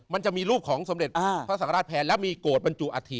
มันจะมีรูปของสมเด็จพระสังฆราชแผนแล้วมีโกรธบรรจุอัฐิ